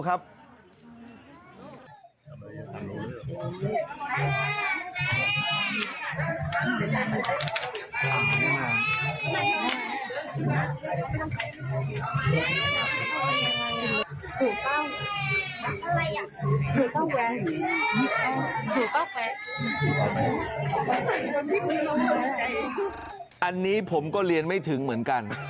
อันนี้ผมก็เรียนไม่ถึงเหมือนกัน